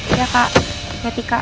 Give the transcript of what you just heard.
iya kak berhati kak